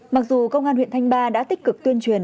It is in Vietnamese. mặc dù công an huyện thanh ba đã tích cực tuyên truyền